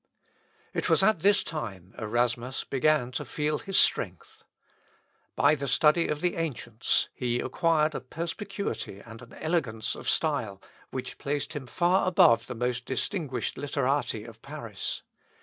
It was at this time Erasmus began to feel his strength. By the study of the ancients, he acquired a perspicuity and an elegance of style, which placed him far above the most distinguished Literati of Paris.